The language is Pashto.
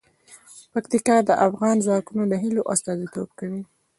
پکتیکا د افغان ځوانانو د هیلو استازیتوب کوي.